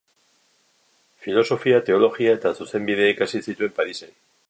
Filosofia, teologia eta zuzenbidea ikasi zituen Parisen.